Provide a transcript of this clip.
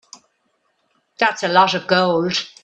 That's a lot of gold.